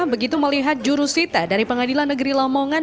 begitu melihat jurusita dari pengadilan negeri lamongan